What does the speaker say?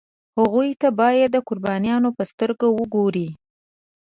هغوی ته باید د قربانیانو په سترګه وګوري.